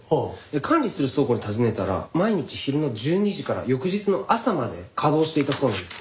管理する倉庫に尋ねたら毎日昼の１２時から翌日の朝まで稼働していたそうなんです。